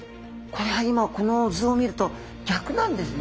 これが今この図を見ると逆なんですね。